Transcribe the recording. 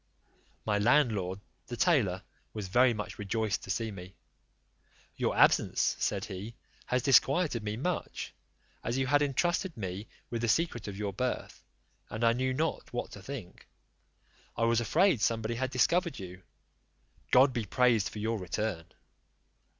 My landlord, the tailor, was very much rejoiced to see me: "Your absence," said he, "has disquieted me much, as you had entrusted me with the secret of your birth, and I knew not what to think; I was afraid somebody had discovered you; God be praised for your return."